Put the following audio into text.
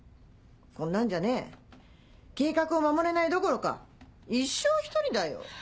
こんなんじゃね計画を守れないどころか一生一人だよ。